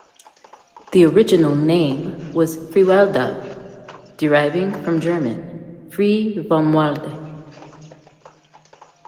The original name was Freiwaldau, deriving from German "frei vom Walde".